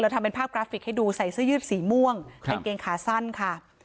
ทำเป็นภาพกราฟิกให้ดูใส่เสื้อยืดสีม่วงกางเกงขาสั้นค่ะ